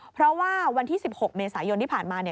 เพราะว่าวันที่๑๖เมษายนที่ผ่านมา